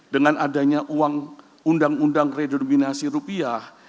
dengan adanya uang undang undang redenominasi rupiah